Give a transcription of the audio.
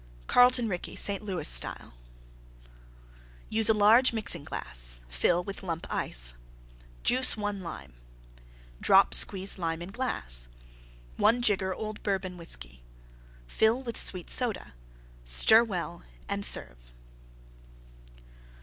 CARLETON RICKEY St. Louis Style Use a large Mixing glass; fill with lump Ice. Juice 1 Lime. Drop squeezed Lime in glass. 1 jigger Old Bourbon Whiskey. Fill with Sweet Soda. Stir well and serve.